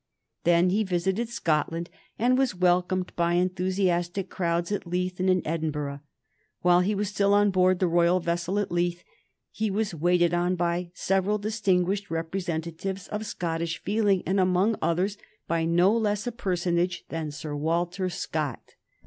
Then he visited Scotland, and was welcomed by enthusiastic crowds at Leith and in Edinburgh. While he was still on board the royal vessel at Leith he was waited on by several distinguished representatives of Scottish feeling, and among others by no less a personage than Sir Walter Scott.